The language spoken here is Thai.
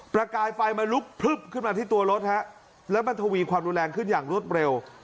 ประกายไฟมันลุกพลึบขึ้นมาที่ตัวรถฮะแล้วมันทวีความรุนแรงขึ้นอย่างรวดเร็ว